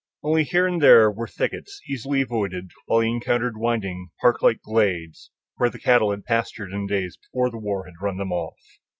Only here and there were thickets, easily avoided, while he encountered winding, park like glades where the cattle had pastured in the days before war had run them off.